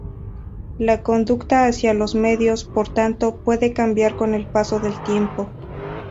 La conducta hacia los medios, por tanto, puede cambiar con el paso del tiempo.